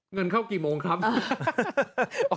เงินเข้ากี่โมงครับ